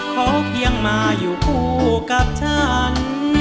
เขาเพียงมาอยู่กูกับฉัน